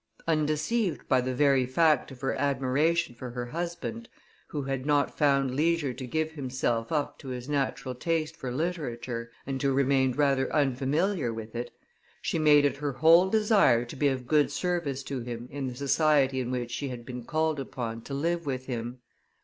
Undeceived by the very fact of her admiration for her husband, who had not found leisure to give himself up to his natural taste for literature, and who remained rather unfamiliar with it, she made it her whole desire to be of good service to him in the society in which she had been called upon to live with him.